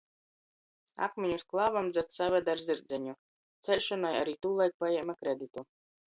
Akmiņus klāvam dzeds savede ar zirdzeņu, ceļšonai ari tūlaik pajēme kreditu.